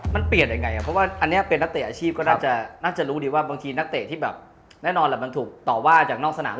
มันเปลี่ยนยังไงเพราะว่าอันนี้เป็นนักเตะอาชีพก็น่าจะรู้ดีว่าบางทีนักเตะที่แบบแน่นอนแหละมันถูกต่อว่าจากนอกสนาม